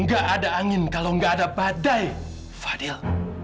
gak ada angin kalau gak ada badai fadil